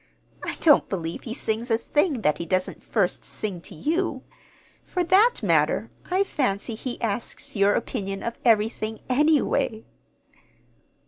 I don't believe he sings a thing that he doesn't first sing to you. For that matter, I fancy he asks your opinion of everything, anyway."